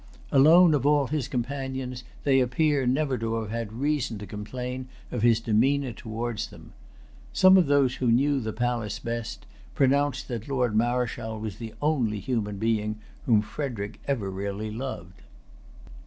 Alone of all his companions they appear never to have had reason to complain of his demeanor towards them. Some of those who knew the palace best pronounced that Lord Marischal was the only human being whom Frederic ever really loved.